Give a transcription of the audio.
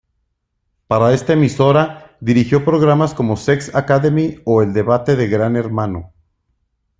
Para esta emisora dirigió programas como "Sex Academy" o "El Debate de Gran Hermano".